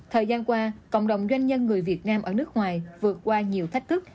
thời gian qua cộng đồng doanh nhân người việt nam ở nước ngoài vượt qua nhiều thách thức